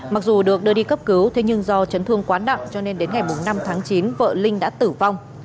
mặc dù được đưa đi cấp cứu thế nhưng do chấn thương quá nặng cho nên đến ngày năm tháng chín vợ linh đã tử vong